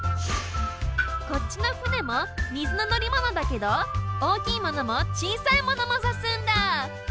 こっちの「船」もみずののりものだけどおおきいものもちいさいものもさすんだ！